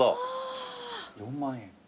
４万円。